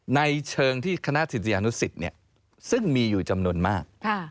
ในเชิงที่คณะสิทธินุศิษย์เนี่ยซึ่งมีอยู่จำนวนมาก